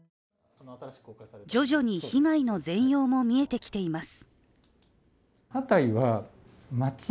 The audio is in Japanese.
徐々に被害の全容も見えてきています。